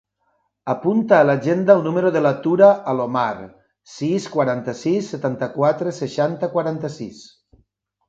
Apunta a l'agenda el número de la Tura Alomar: sis, quaranta-sis, setanta-quatre, seixanta, quaranta-sis.